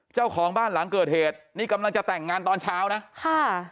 เจ้าของบ้านหลังเกิดเหตุนี่กำลังจะแต่งงานตอนเช้านะค่ะ